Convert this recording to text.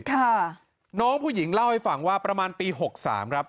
ค่ะน้องผู้หญิงเล่าให้ฟังว่าประมาณปีหกสามครับ